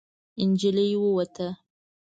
نجلۍ ووته.